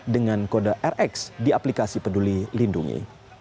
dengan kode rx di aplikasi peduli lindungi